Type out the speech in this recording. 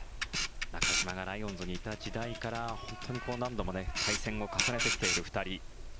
中島がライオンズにいた時代から本当に何度も対戦を重ねてきている２人。